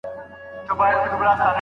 زوی له ډېر وخته موزيم ته روان و.